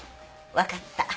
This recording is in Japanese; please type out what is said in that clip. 分かった。